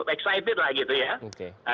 excited lah gitu ya